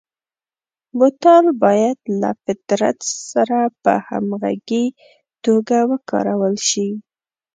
بوتل باید له فطرت سره په همغږي توګه وکارول شي.